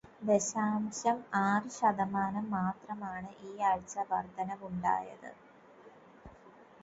ദശാംശം ആറ് ശതമാനം മാത്രമാണ് ഈയാഴ്ച വര്ധനവുണ്ടായത്.